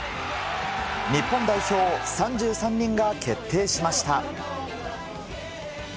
日本代表３３人が決定しました。